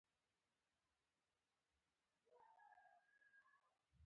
د بوسفورس پل د ښکلا نښه ده.